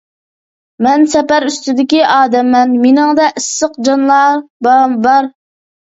مەن سەپەر ئۈستىدىكى ئادەممەن، مېنىڭدە ئىسسىق جانلا بار.